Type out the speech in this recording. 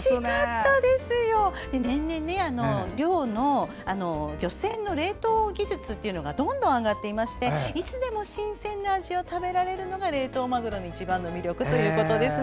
年々、漁船の冷凍技術がどんどん上がっていましていつでも新鮮な味を食べられるのが冷凍マグロの一番の魅力ということです。